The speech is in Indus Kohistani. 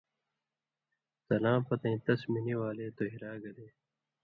تلاں پتَیں تس مِنی والے تُوہیۡرا گلے